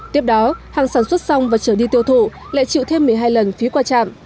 tiếp đó hàng sản xuất xong và trở đi tiêu thụ lại chịu thêm một mươi hai lần phí qua trạm